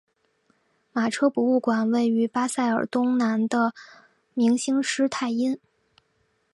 马车博物馆位于巴塞尔东南的明兴施泰因。